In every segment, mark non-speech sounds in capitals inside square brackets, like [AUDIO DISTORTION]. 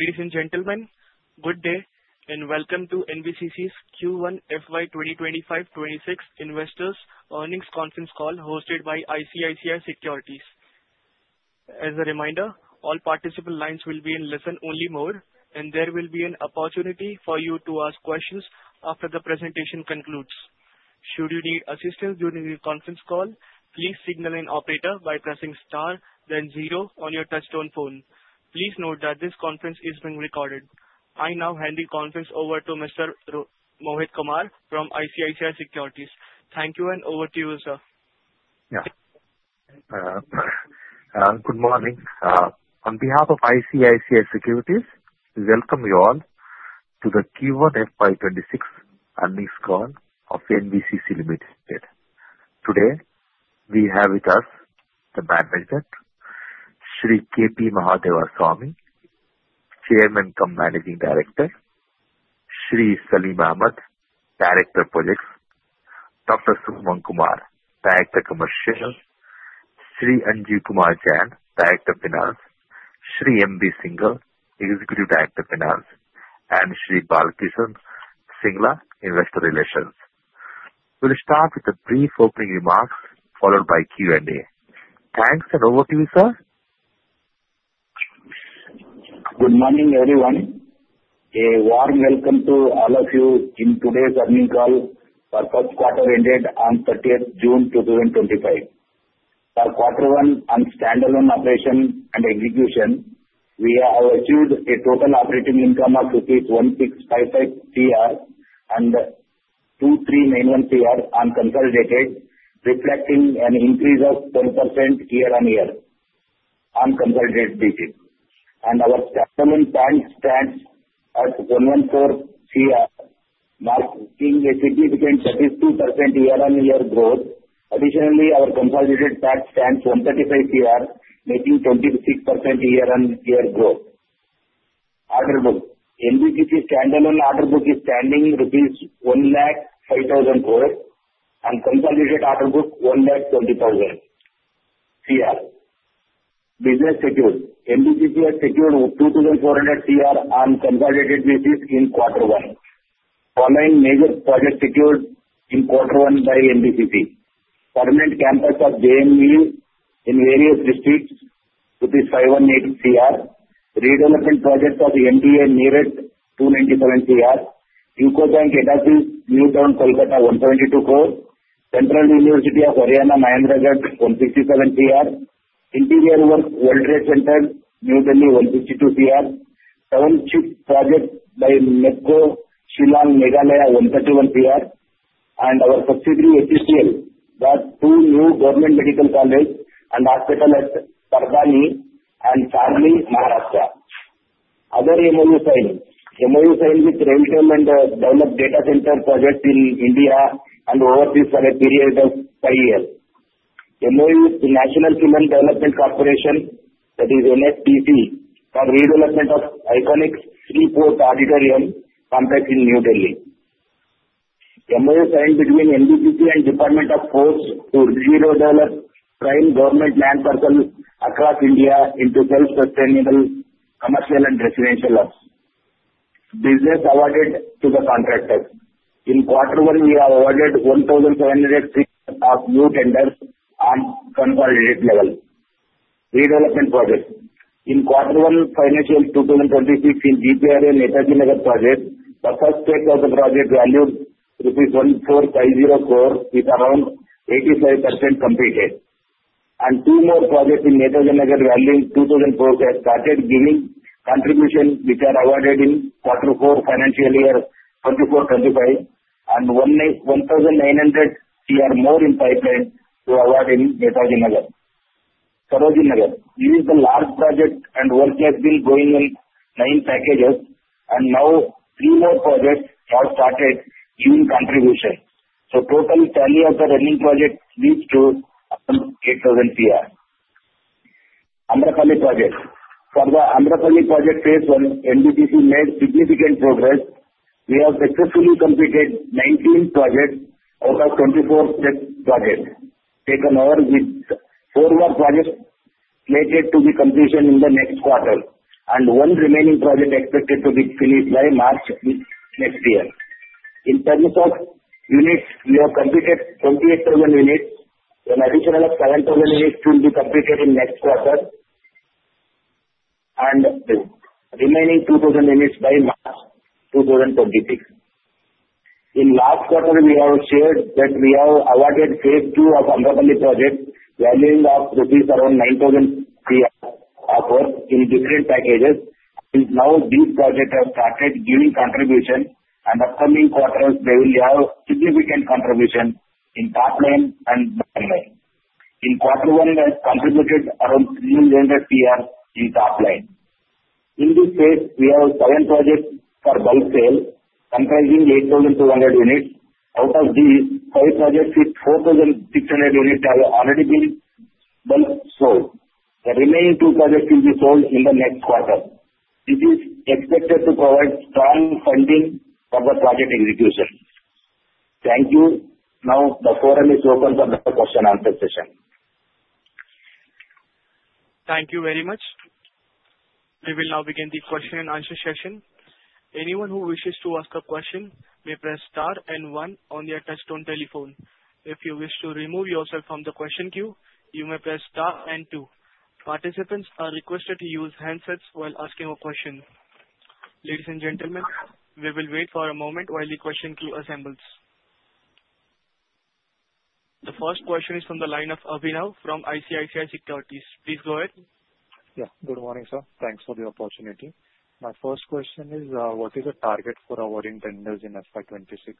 Ladies and gentlemen, good day and welcome to NBCC's Q1 FY 2025-2026 Investors' Earnings Conference Call hosted by ICICI Securities. As a reminder, all participant lines will be in listen-only mode, and there will be an opportunity for you to ask questions after the presentation concludes. Should you need assistance during the conference call, please signal an operator by pressing star, then zero on your touch-tone phone. Please note that this conference is being recorded. I now hand the conference over to Mr. Mohit Kumar from ICICI Securities. Thank you, and over to you, sir. Yeah. Good morning. On behalf of ICICI Securities, we welcome you all to the Q1 FY 2026 earnings call of NBCC Limited. Today, we have with us the management, Shri K.P. Mahadevaswamy, Chairman and Managing Director, Shri Saleem Ahmad, Director of Projects, Dr. Suman Kumar, Director of Commercials, Shri Anjeev Kumar Jain, Director of Finance, Shri M.B. Singhal, Executive Director of Finance, and Shri Balkishan Singla, Investor Relations. We'll start with a brief opening remarks followed by Q&A. Thanks, and over to you, sir. Good morning, everyone. A warm welcome to all of you in today's earnings call for first quarter ended on 30th June 2025. For quarter one, on standalone operation and execution, we have achieved a total operating income of rupees 1,655 crores and 2,391 crores on consolidated, reflecting an increase of 12% YoY on consolidated basis. And our standalone PAT stands at 114 crores, marking a significant 32% YoY growth. Additionally, our consolidated PAT stands at 135 crores, making 26% YoY growth. Order book: NBCC standalone order book is standing rupees 105,000 crores and consolidated order book 120,000 crores. Business secured: NBCC has secured 2,400 crores on consolidated basis in quarter one, following major project secured in quarter one by NBCC. Permanent campus of JNV in various districts: 518 crores. Redevelopment project of MDA: Meerut 297 crores. UCO Bank Head Office, New Town, Kolkata: 172 crores. Central University of Haryana, Mahendragarh: 167 crores. Interior works at World Trade Center in New Delhi: 152 crores. Township project by NEEPCO Shillong Meghalaya: 131 crores. Our subsidiary HSCL got two new government medical colleges and hospitals at Parbhani and Sangli Maharashtra. Other MoU signings: MoU signed with RailTel to develop data center projects in India and overseas for a period of five years. MoU with National Film Development Corporation, that is NFDC, for redevelopment of iconic Siri Fort Auditorium complex in New Delhi. MoU signed between NBCC and Department of Posts to redevelop prime government land parcels across India into self-sustainable commercial and residential lots. Business awarded to the contractors: In quarter one, we have awarded 1,703 new tenders on consolidated level. Redevelopment projects: In quarter one, financial 2026 in GPRA Netaji Nagar project, the first stage of the project valued INR 14,500 crores is around 85% completed. Two more projects in Netaji Nagar valued 2,000 crores have started giving contributions, which are awarded in quarter four financial year 2024-2025, and 1,900 crores more in pipeline to award in Netaji Nagar. Sarojini Nagar: This is the large project, and work has been going on nine packages, and now three more projects have started giving contributions. So total tally of the running project leads to INR 8,000 crores. Amrapali project: For the Amrapali project phase 1, NBCC made significant progress. We have successfully completed 19 projects out of 24 projects taken over, with four more projects slated to be completed in the next quarter, and one remaining project expected to be finished by March next year. In terms of units, we have completed 28,000 units. An additional 7,000 units will be completed in next quarter, and remaining 2,000 units by March 2026. In last quarter, we have shared that we have awarded phase 2 of Amrapali project, valuing of INR 9,000 crores of work in different packages. Now these projects have started giving contributions, and upcoming quarters, they will have significant contributions in top line and bottom line. In quarter one, we have contributed around 300 crores rupees in top line. In this phase, we have seven projects for bulk sale, comprising 8,200 units. Out of these, five projects with 4,600 units have already been bulk sold. The remaining two projects will be sold in the next quarter. This is expected to provide strong funding for the project execution. Thank you. Now the forum is open for the question-answer session. Thank you very much. We will now begin the question-and-answer session. Anyone who wishes to ask a question may press star and one on their touch-tone telephone. If you wish to remove yourself from the question queue, you may press star and two. Participants are requested to use handsets while asking a question. Ladies and gentlemen, we will wait for a moment while the question queue assembles. The first question is from the line of Abhinav from ICICI Securities. Please go ahead. Yeah. Good morning, sir. Thanks for the opportunity. My first question is, what is the target for awarding tenders in FY 2026?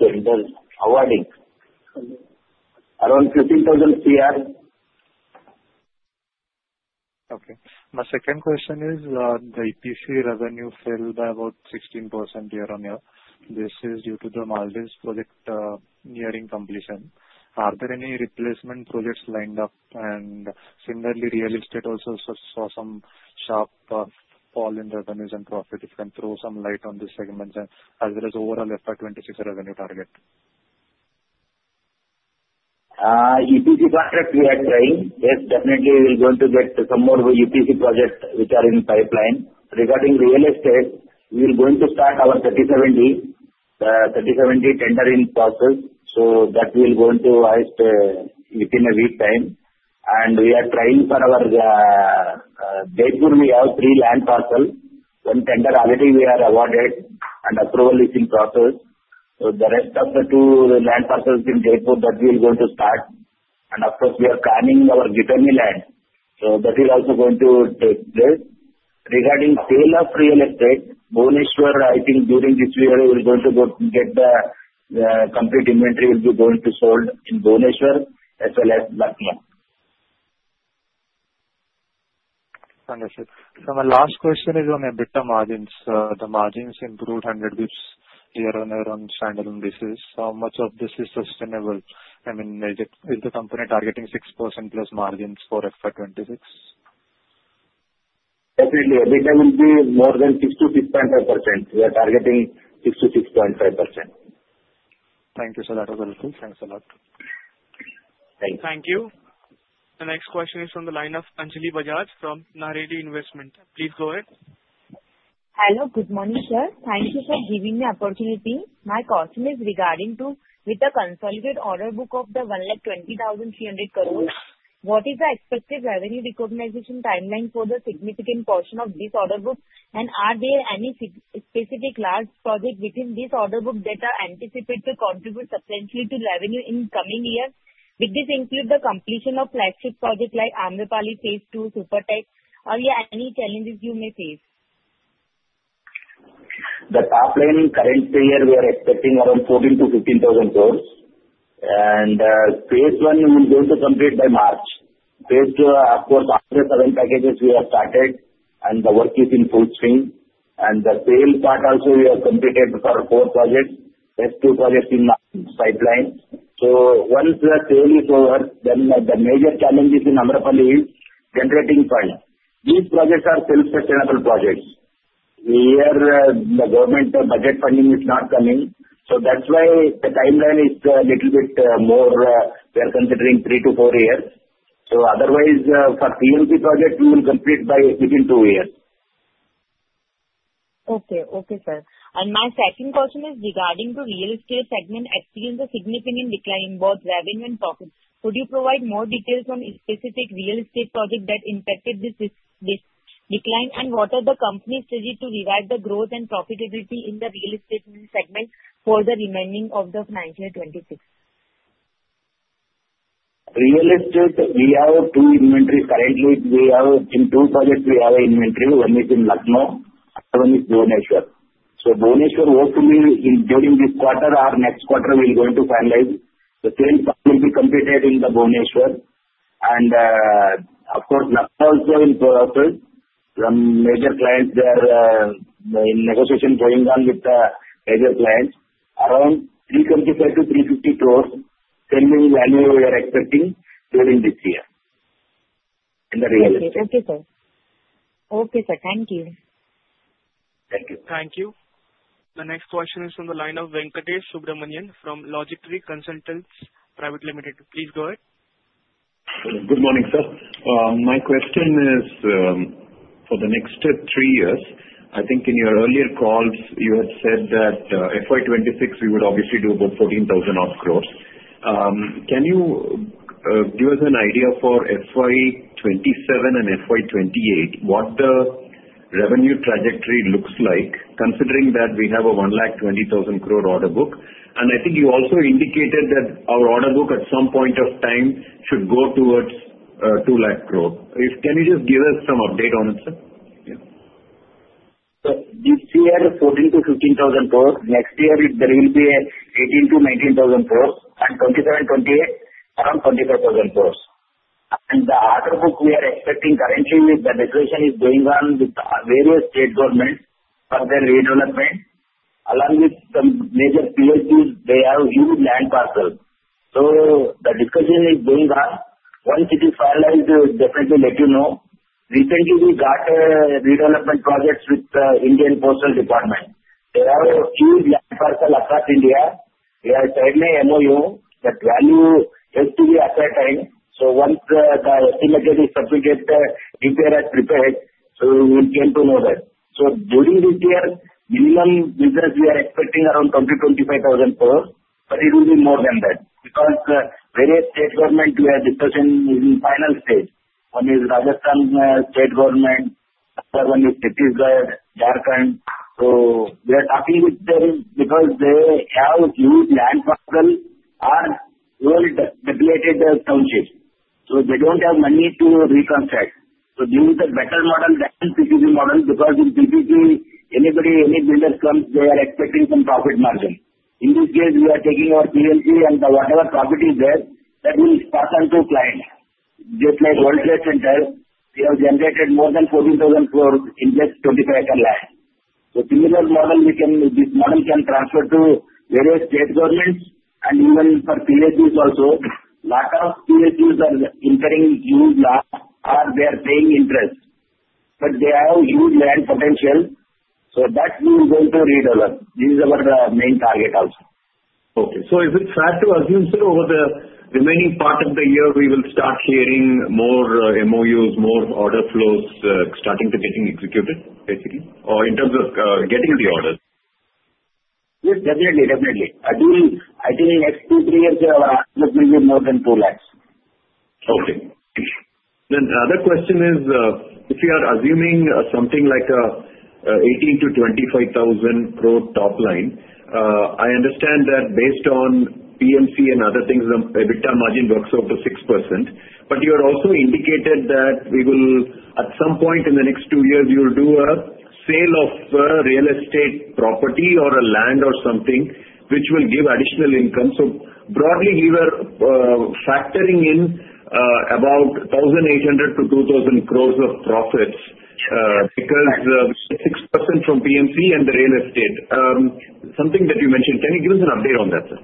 Tenders awarding? Around INR 15,000 crores. Okay. My second question is, the EPC revenue fell by about 16% YoY. This is due to the Maldives project nearing completion. Are there any replacement projects lined up? And similarly, real estate also saw some sharp fall in revenues and profits. If you can throw some light on these segments as well as overall FY 2026 revenue target. EPC contract we are trying. Yes, definitely, we are going to get some more EPC projects which are in pipeline. Regarding real estate, we are going to start our 37D tendering process. So that will go into within a week's time. We are trying for our Jaipur. We have three land parcels. One tender already we are awarded, and approval is in process. So the rest of the two land parcels in Jaipur, that we are going to start. Of course, we are planning our Ghitorni land. So that will also going to take place. Regarding sale of real estate, Bhubaneswar, I think during this year, we are going to get the complete inventory will be going to sold in Bhubaneswar as well as Lucknow. Understood. So my last question is on EBITDA margins. The margins improved 100 basis points year-on-year on standalone basis. How much of this is sustainable? I mean, is the company targeting 6%+ margins for FY 2026? Definitely. EBITDA will be more than 6%-6.5%. We are targeting 6%-6.5%. Thank you, sir. That was helpful. Thanks a lot. Thank you. Thank you. The next question is from the line of Anjali Bajaj from Naredi Investment. Please go ahead. Hello. Good morning, sir. Thank you for giving me the opportunity. My question is regarding to with the consolidated order book of the 120,300 crores. What is the expected revenue recognition timeline for the significant portion of this order book? And are there any specific large projects within this order book that are anticipated to contribute substantially to revenue in coming years? Did this include the completion of flagship projects like Amrapali phase two, Supertech? Are there any challenges you may face? The top line current year we are expecting around 14,000 crores-15,000 crores, and Amrapali Phase 1 is going to complete by March. Phase 2, of course, after seven packages we have started, and the work is in full swing, and the sale part also we have completed for four projects. There's two projects in the pipeline. So once the sale is over, then the major challenge is in Amrapali generating fund. These projects are self-sustainable projects. We are the government budget funding is not coming. So that's why the timeline is a little bit more we are considering three-to-four years, so otherwise, for PMC project, we will complete by within two years. Okay. Okay, sir. And my second question is regarding to real estate segment experiencing a significant decline in both revenue and profits. Could you provide more details on specific real estate projects that impacted this decline? And what are the company's strategies to revive the growth and profitability in the real estate segment for the remaining of the Financial Year 2026? Real estate, we have two inventories currently. In two projects, we have an inventory. One is in Lucknow, and one is Bhubaneswar. So Bhubaneswar, hopefully, during this quarter or next quarter, we are going to finalize. The sale part will be completed in the Bhubaneswar. And of course, Lucknow also in progress. Some major clients, they are in negotiation going on with the major clients. Around 325 crores-350 crores pending value we are expecting during this year in the real estate. Okay. Okay, sir. Okay, sir. Thank you. Thank you. Thank you. The next question is from the line of Venkatesh Subramanian from Logic Tree Consultants Private Limited. Please go ahead. Good morning, sir. My question is for the next three years. I think in your earlier calls, you had said that FY 2026, we would obviously do about 14,000 crores. Can you give us an idea for FY 2027 and FY 2028 what the revenue trajectory looks like, considering that we have a 1,020,000 crores order book? And I think you also indicated that our order book at some point of time should go towards 2,000,000 crores. Can you just give us some update on it, sir? This year 14,000 crores-15,000 crores. Next year, there will be 18,000 crores-19,000 crores. And 2027, 2028, around 25,000 crores. And the order book we are expecting. Currently, the negotiation is going on with various state governments for their redevelopment. Along with some major PSUs, they have huge land parcels. So the discussion is going on. Once it is finalized, we will definitely let you know. Recently, we got redevelopment projects with the Department of Post. There are huge land parcels across India. We have signed an MoU that value has to be at that time. So once the estimated is submitted, DPR prepared, so we will come to know that. So during this year, minimum business we are expecting around 20,000 crores-25,000 crores. But it will be more than that because various state government we have discussion in final stage. One is Rajasthan State Government. Another one is Chhattisgarh, Jharkhand. So we are talking with them because they have huge land parcels or old depleted townships. So they don't have money to reconstruct. So they use a better model than PPP model because in PPP, anybody, any builder comes, they are expecting some profit margin. In this case, we are taking our PSU and whatever profit is there, that will pass on to clients. Just like World Trade Center, we have generated more than 14,000 crores in just 25 acres of land. So similar model, this model can transfer to various state governments and even for PSUs also. A lot of PSUs are incurring huge loss or they are paying interest. But they have huge land potential. So that we are going to redevelop. This is our main target also. Okay. So is it fair to assume, sir, over the remaining part of the year, we will start hearing more MoUs, more order flows starting to getting executed, basically, or in terms of getting the orders? Yes, definitely. Definitely. I think next two, three years, our output will be more than 2 lakhs. Okay. Then the other question is, if we are assuming something like 18,000 crores-25,000 crores top line, I understand that based on PMC and other things, the EBITDA margin works out to 6%. But you had also indicated that we will, at some point in the next two years, you will do a sale of real estate property or a land or something, which will give additional income. So broadly, we were factoring in about 1,800 crores-2,000 crores of profits because we get 6% from PMC and the real estate. Something that you mentioned, can you give us an update on that, sir?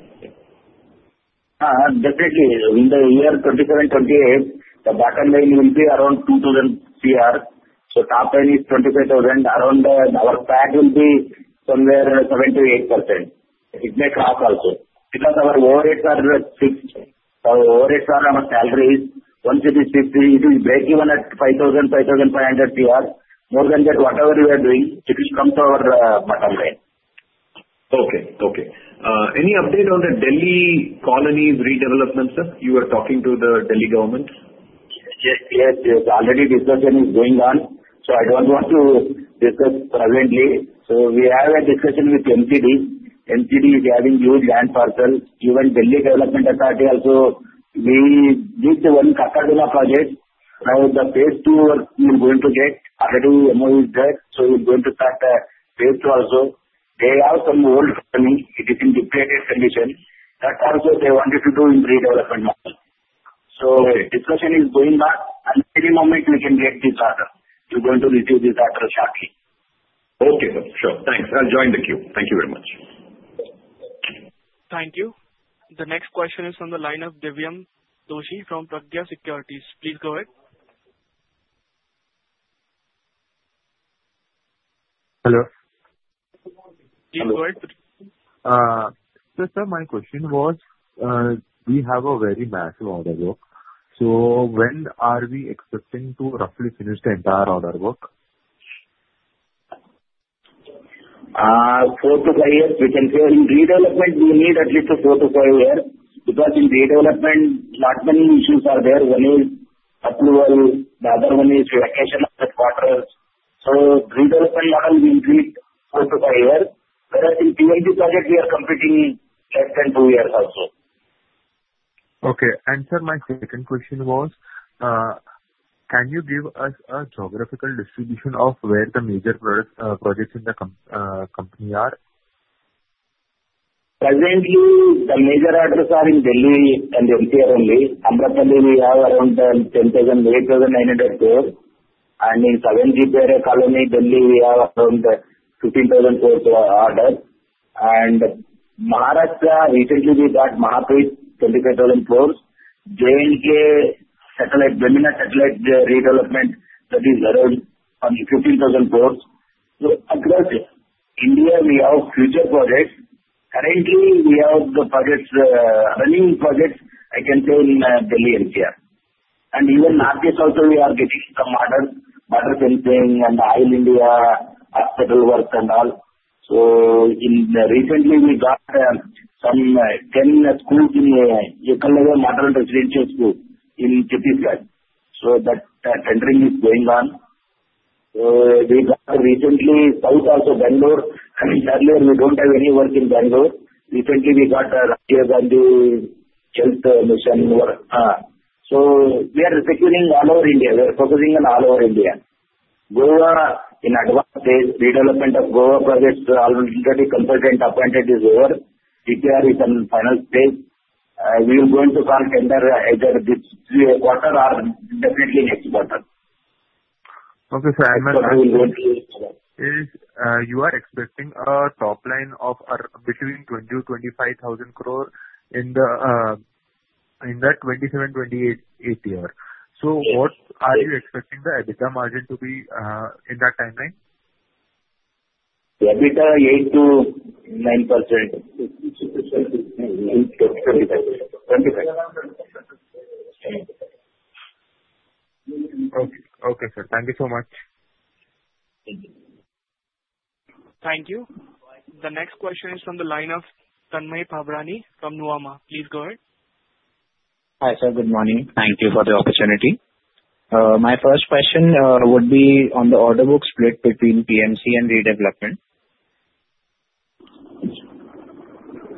Definitely. In the year 2027-2028, the bottom line will be around 2,000 crores. So top line is 25,000 crores. Around our PAT will be somewhere 7%-8%. It may cross also because our overheads are fixed. Our overheads are our salaries. Once it is fixed, it will break even at 5,000 crores, 5,500 crores. More than that, whatever we are doing, it will come to our bottom line. Okay. Okay. Any update on the Delhi colonies redevelopment, sir? You were talking to the Delhi government. Yes. Yes. Yes. Already, discussion is going on, so I don't want to discuss presently. So, we have a discussion with MCD. MCD is having huge land parcel. Even Delhi Development Authority also. We did the one Karkardooma project. Now, the phase 2 work we are going to get. Already, MoU is there, so we are going to start phase 2 also. They have some old colony. It is in dilapidated condition. That also they wanted to do in redevelopment, so discussion is going on. And any moment, we can get this order. We are going to receive this order shortly. Okay, sir. Sure. Thanks. I'll join the queue. Thank you very much. Thank you. The next question is from the line of Divyam Doshi from Pragya Securities. Please go ahead. Hello. Please go ahead. Sir, my question was, we have a very massive order book. So when are we expecting to roughly finish the entire order book? Four to five years. We can say in redevelopment, we need at least four to five years because in redevelopment, not many issues are there. One is approval. The other one is vacation of the quarters. So redevelopment model will be four to five years. Whereas in PMC project, we are completing less than two years also. Okay. And sir, my second question was, can you give us a geographical distribution of where the major projects in the company are? Presently, the major orders are in Delhi and NCR only. Amrapali, we have around 8,900 crores-10,000 crores. And in 7GPRA Colony, Delhi, we have around 15,000 crores order. And Maharashtra, recently we got MAHAPREIT, INR 25,000 crores. J&K Satellite, Bemina Satellite redevelopment, that is around 15,000 crores. So across India, we have future projects. Currently, we have the projects, running projects, I can say in Delhi and NCR. And even [market] also, we are getting some orders, water supply and sanitation and all India hospital work and all. So recently, we got some 10 schools in Eklavya Model Residential School in Chhattisgarh. So that tendering is going on. So we got recently south also Bangalore. Earlier, we don't have any work in Bangalore. Recently, we got Rajiv Gandhi Health Mission work. So we are securing all over India. We are focusing on all over India. Goa in advanced phase. Redevelopment of Goa projects. Already consultant appointed is over. GPRA is on final stage. We are going to call tender either this quarter or definitely next quarter. Okay, sir. And my last question is. We are going to. Are you expecting a top line of between 20,000 crores-25,000 crores in that FY 2027-2028 year? So what are you expecting the EBITDA margin to be in that timeline? EBITDA 8%-9%. Okay. Okay, sir. Thank you so much. Thank you. Thank you. The next question is from the line of Tanmay Phabrani from Nuvama. Please go ahead. Hi sir. Good morning. Thank you for the opportunity. My first question would be on the order book split between PMC and redevelopment?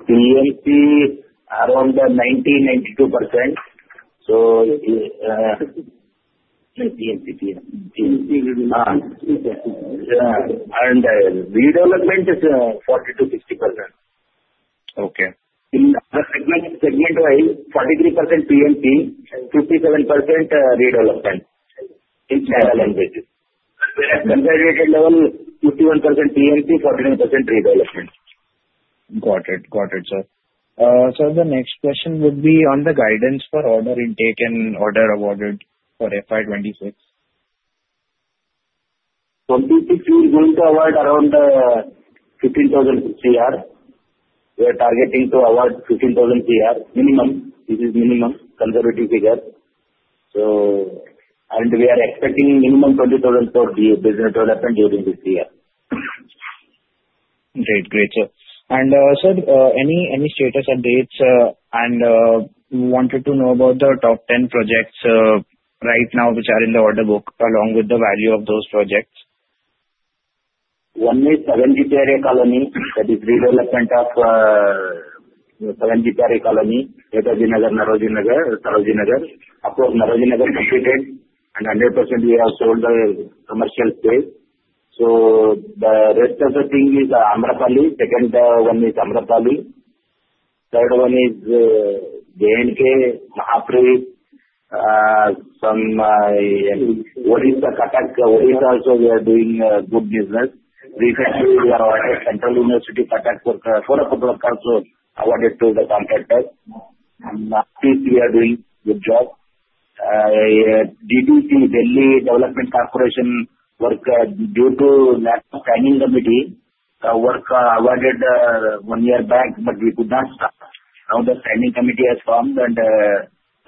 PMC around 90-92%. So PMC. And redevelopment is? 40-60%. Okay. In the segment-wise, 43% PMC, 57% redevelopment in parallel basis. Whereas consolidated level, 51% PMC, 49% redevelopment. Got it. Got it, sir. Sir, the next question would be on the guidance for order intake and order awarded for FY 2026. From 2026, we are going to award around 15,000 crores. We are targeting to award 15,000 crores minimum. This is minimum conservative figure. So, we are expecting minimum 20,000 crores business development during this year. Great. Great, sir. And sir, any status updates? And we wanted to know about the top 10 projects right now which are in the order book along with the value of those projects. One is 7GPRA Colony. That is redevelopment of 7GPRA Colony, Netaji Nagar, Nauroji Nagar, Sarojini Nagar. Of course, Nauroji Nagar completed, and 100% we have sold the commercial space. So the rest of the thing is Amrapali. Second one is Amrapali. Third one is J&K, MAHAPREIT. Some Orissa Cuttack. Orissa also, we are doing good business. Recently, we are awarded Central University Cuttack for a lot of work also awarded to the contractors, and we are doing good job. DTC, Delhi Transport Corporation work due to lack of timing committee. The work awarded one year back, but we could not start. Now the timing committee has formed and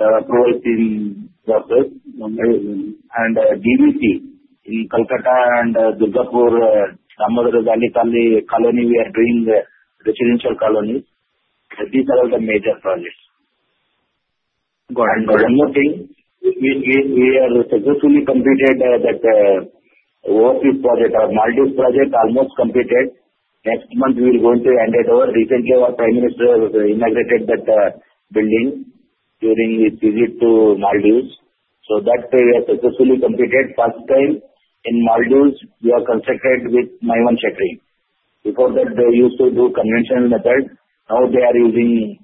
approval is in process, and DVC in Kolkata and Durgapur, Damodar Valley colony, we are doing residential colonies. That is our major projects. Got it. One more thing. We have successfully completed that overseas project our Maldives project almost completed. Next month, we are going to hand it over. Recently, our Prime Minister inaugurated that building during his visit to Maldives. So that we have successfully completed. First time in Maldives, we are constructed with Mivan Shuttering. Before that, they used to do conventional method. Now they are using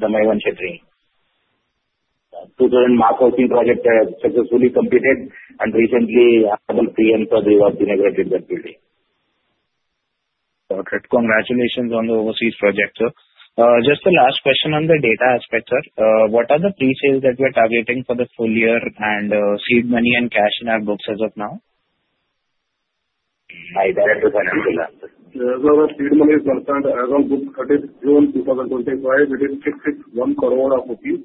the Mivan Shuttering. 2,000-unit housing project successfully completed. And recently, PM sir inaugurated that building. Got it. Congratulations on the overseas project, sir. Just the last question on the data aspect, sir. What are the pre-sales that we are targeting for the full year and seed money and cash in our books as of now? My Director Finance will answer. Sir, seed money is not signed as of June 2025. It is 661 crores rupees.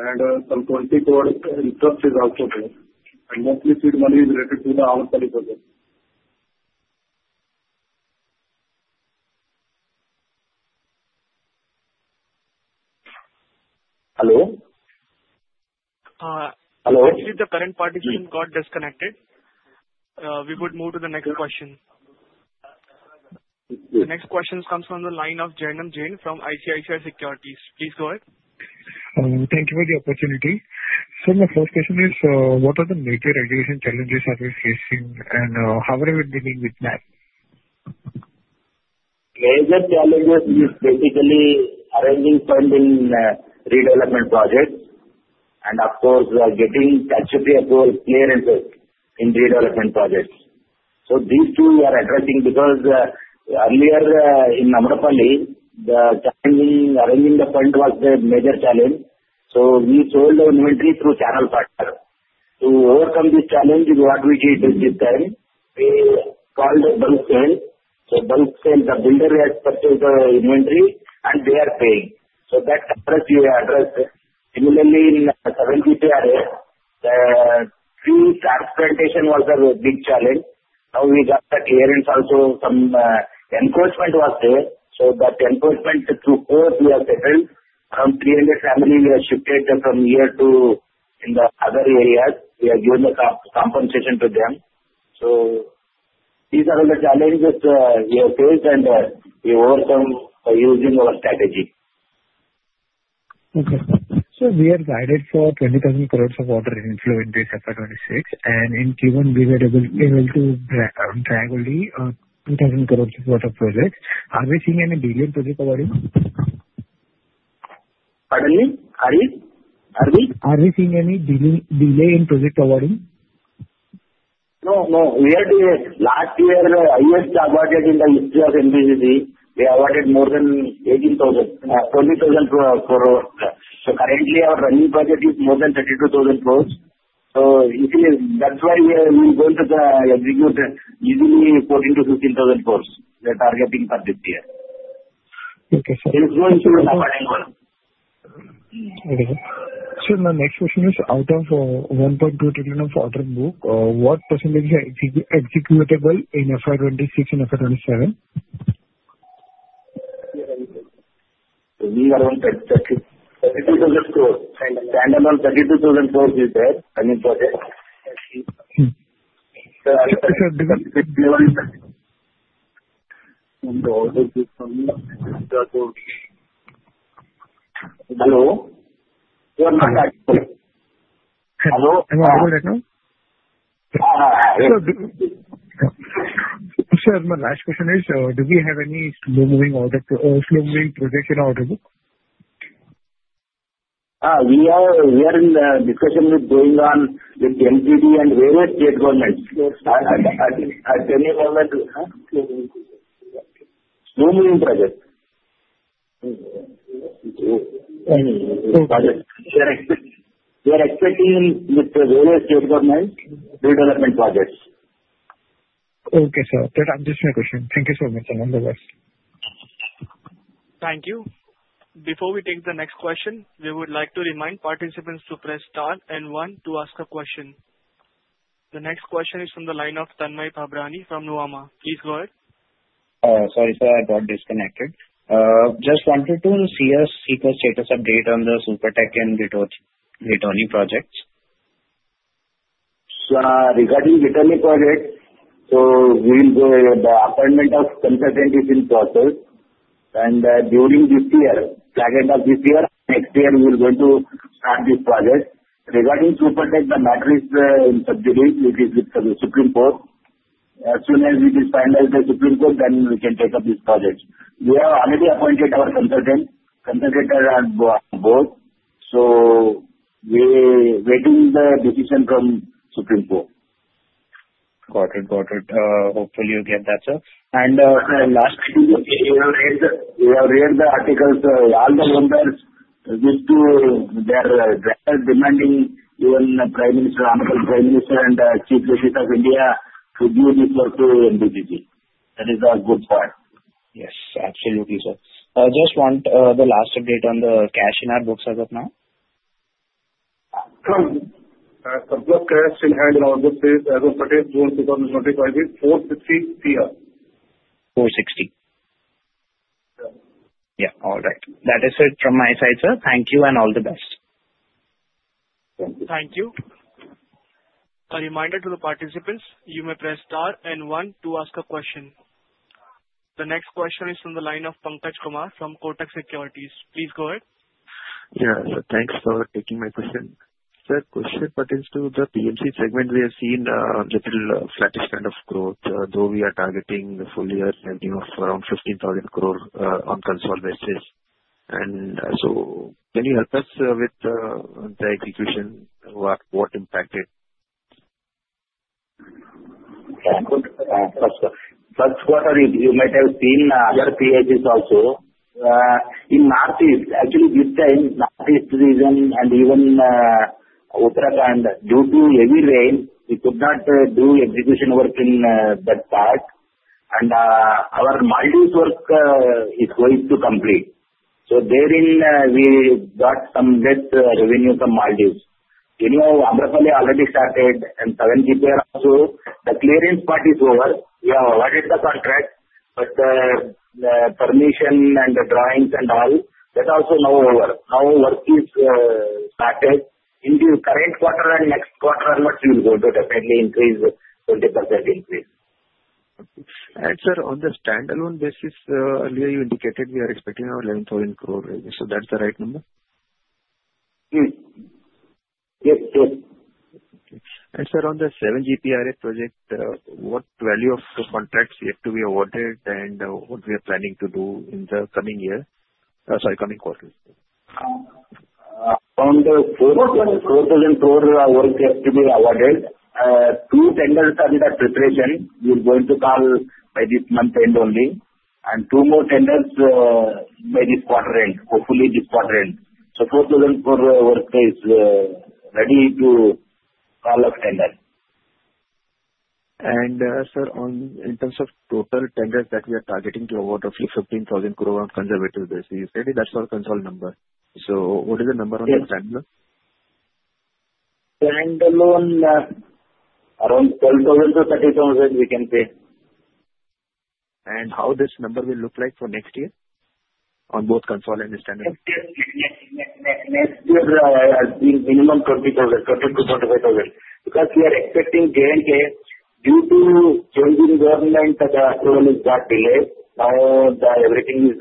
And some 20 crores interest is also there. And mostly seed money is related to the Amrapali project. Hello? Hello? Actually, the current partition got disconnected. We would move to the next question. The next question comes from the line of Jainam Jain from ICICI Securities. Please go ahead. Thank you for the opportunity. Sir, my first question is, what are the major regulatory challenges that we are facing and how are we dealing with them? Major challenges are basically arranging funds in redevelopment projects, and of course getting tax-free approval clearance in redevelopment projects. These two we are addressing because earlier in Amrapali the arranging the fund was the major challenge. We sold inventory through channel partner. To overcome this challenge, what we did this time, we called bulk sale. Bulk sale, the builder has purchased the inventory and they are paying. That we addressed. Similarly, in 7GPRA the tree-transplantation was a big challenge. Now we got the clearance also. Some encroachment was there. That encroachment through court we have settled. Around 300 families we have shifted from here to other areas. We have given the compensation to them. These are all the challenges we have faced and we overcome by using our strategy. Okay. Sir, we are guided for 20,000 crores of order inflow in this FY 2026. And in Q1, we were able to bag only 2,000 crores of order inflow. Are we seeing any delay in project awarding? Pardon me? Are you? Are we seeing any delay in project awarding? No, no. We are doing it. Last year, the highest awarded in the history of NBCC, we awarded more than 18,000 crores-20,000 crores. So currently, our running budget is more than 32,000 crores. So that's why we are going to execute easily 14,000 crores-15,000 crores we are targeting for this year. Okay, sir. Let's go into the upcoming one. Okay, sir. Sir, my next question is, out of 1.2 trillion of order book, what percentage is executable in FY 2026 and FY 2027? We are going to execute INR 32,000 crores. Standalone, INR 32,000 crores is the running project. [AUDIO DISTORTION] Sir, my last question is, do we have any slow-moving project in our order book? We are in discussion with going on with MCD and various state governments. At any moment, slow-moving project. We are expecting with various state government redevelopment projects. Okay, sir. That answers my question. Thank you so much, sir. All the best. Thank you. Before we take the next question, we would like to remind participants to press star and one to ask a question. The next question is from the line of Tanmay Phabrani from Nuvama. Please go ahead. Sorry, sir. I got disconnected. Just wanted to see a status update on the Supertech and Amrapali projects. Regarding Ghitorni project, so the appointment of consultant is in process. And during this year, second half of this year, next year, we are going to start this project. Regarding Supertech, the matter is sub-judice, which is with the Supreme Court. As soon as it is finalized by the Supreme Court, then we can take up this project. We have already appointed our consultant. Consultants are both. So we are awaiting the decision from the Supreme Court. Got it. Got it. Hopefully, you get that, sir. And lastly, we have read the articles. All the members with their demands, even Amrapali, Prime Minister and Chief Justice of India could be referred to NBCC. That is a good point. Yes. Absolutely, sir. Just want the last update on the cash in our books as of now. Sir, the first cash in hand in our books is as of June 2025. It is 460 crores. 460 crores? Yeah. All right. That is it from my side, sir. Thank you and all the best. Thank you. Thank you. A reminder to the participants, you may press star and one to ask a question. The next question is from the line of Pankaj Kumar from Kotak Securities. Please go ahead. Yeah. Thanks for taking my question. Sir, question pertains to the PMC segment. We have seen a little flattish kind of growth, though we are targeting the full year revenue of around 15,000 crores on consolidated. And so can you help us with the execution? What impacted? First quarter, you might have seen other peers also. In Northeast, actually, this time, Northeast region and even Uttarakhand, due to heavy rain, we could not do execution work in that part. And our Maldives work is going to complete. So therefore, we got some less revenue from Maldives. Anyhow, Amrapali already started and 7GPRA also. The clearance part is over. We have awarded the contract. But the permission and the drawings and all, that also now over. Now work is started. In this current quarter and next quarter, we will go to definitely increase 20% increase. Sir, on the standalone basis, earlier you indicated we are expecting around 11,000 crores revenue. That's the right number? Yes. Yes. Sir, on the 7GPRA project, what value of the contracts have to be awarded and what we are planning to do in the coming year? Sorry, coming quarter. Around INR 4,000 crores work has to be awarded. Two tenders are in the preparation. We are going to call by this month end only. And two more tenders by this quarter end. Hopefully, this quarter end. So 4,000 crores work is ready to call of tender. And sir, in terms of total tenders that we are targeting to award, roughly 15,000 crores on conservative basis, that's our consol number. So what is the number on the standalone? Standalone, around 12,000 crores-30,000 crores we can pay. How this number will look like for next year on both consol and standalone? Next year has been minimum 20,000 crores to 25,000 crores. Because we are expecting J&K, due to changing government, the approval is got delayed. Now everything is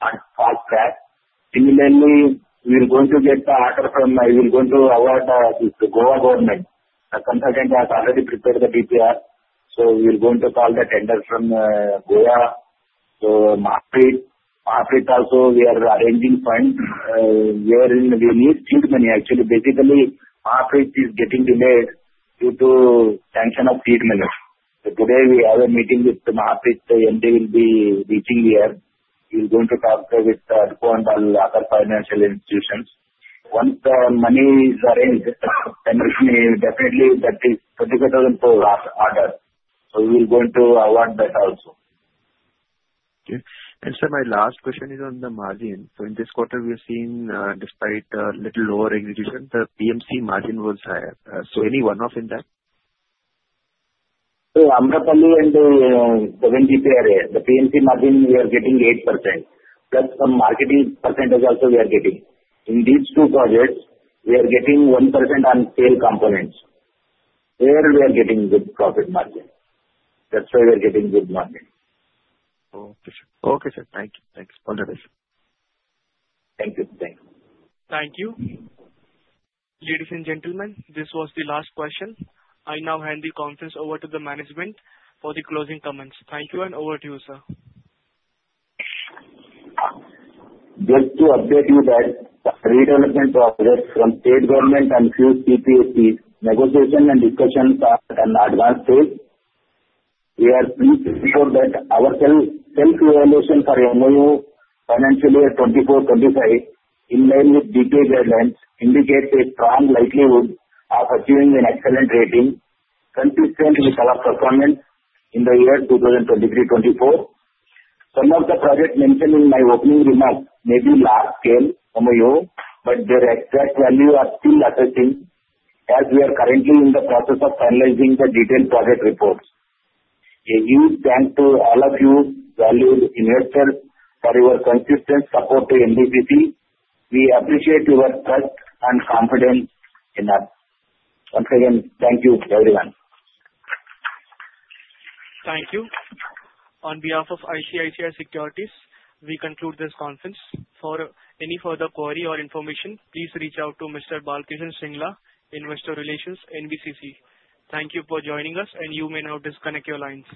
fast track. Similarly, we are going to get the order from we are going to award to Goa Government. The consultant has already prepared the DPR. So we are going to call the tenders from Goa. So MAHAPREIT. MAHAPREIT also, we are arranging fund. Wherein we need seed money. Actually, basically, MAHAPREIT is getting delayed due to sanction of seed money. So today, we have a meeting with MAHAPREIT. MD will be reaching here. We are going to talk with HUDCO and all other financial institutions. Once the money is arranged, definitely that is INR 25,000 crores order. So we are going to award that also. Okay. And sir, my last question is on the margin. So in this quarter, we have seen, despite a little lower execution, the PMC margin was higher. So any one-off in that? Amrapali and 7GPRA, the PMC margin, we are getting 8%. Plus some marketing percentage also we are getting. In these two projects, we are getting 1% on sale components. Wherein we are getting good profit margin. That's why we are getting good margin. Okay, sir. Okay, sir. Thank you. Thanks. All the best. Thank you. Thank you. Thank you. Ladies and gentlemen, this was the last question. I now hand the conference over to the management for the closing comments. Thank you and over to you, sir. Just to update you that the redevelopment projects from state governments and a few CPSEs, negotiations and discussions started in advanced stages. We are pleased to report that our self-evaluation for MoU, financial year 2024-25, in line with DPE guidelines, indicates a strong likelihood of achieving an excellent rating, consistent with our performance in the year 2023-24. Some of the projects mentioned in my opening remarks may be large-scale MoUs, but their exact value is still assessing as we are currently in the process of finalizing the detailed project reports. A huge thanks to all of you, valued investors, for your consistent support to NBCC. We appreciate your trust and confidence in us. Once again, thank you, everyone. Thank you. On behalf of ICICI Securities, we conclude this conference. For any further query or information, please reach out to Mr. Balkishan Singla, Investor Relations, NBCC. Thank you for joining us, and you may now disconnect your lines.